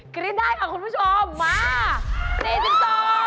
กริ้นได้ค่ะคุณผู้ชมมา๔๒บาท